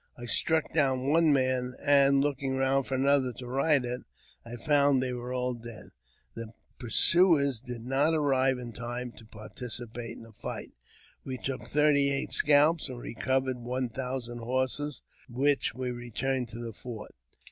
I struck down one man, and, looking round for another to ride at, I found they were all dead. The pursuers did not arrive in time to participate in the fight. We took thirty eight scalps, and recovered one thousand horses, with which we returned to the fort.